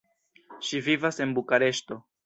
Ŝi vivas en Bukareŝto.